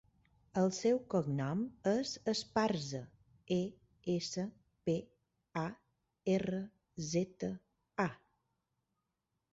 El seu cognom és Esparza: e, essa, pe, a, erra, zeta, a.